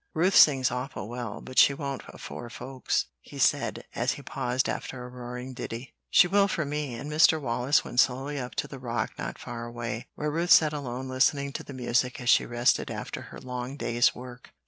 "Ruth sings awful well, but she won't afore folks," he said, as he paused after a roaring ditty. "She will for me;" and Mr. Wallace went slowly up to the rock not far away, where Ruth sat alone listening to the music as she rested after her long day's work.